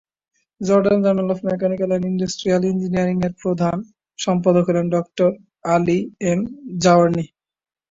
Jordan journal of mechanical and industrial engineering এর প্রধান সম্পাদক হলেন ডঃ আলি এম জাওয়ারনিহ।